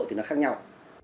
thì nó khác nhau